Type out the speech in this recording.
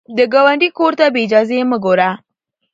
د ګاونډي کور ته بې اجازې مه ګوره